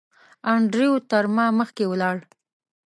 انډریو تر ما مخکې ولاړ.